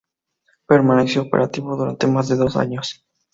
Permaneció operativo durante más de dos años.